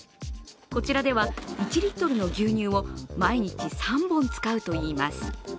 こちらでは１リットルの牛乳を毎日３本使うといいます。